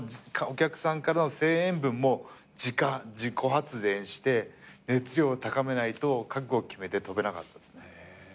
お客さんからの声援分も自家発電して熱量を高めないと覚悟決めて飛べなかったっすね。